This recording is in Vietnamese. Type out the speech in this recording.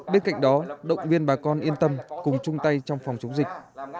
bên cạnh đó động viên bà con yên tâm cùng chung tay trong phòng chống dịch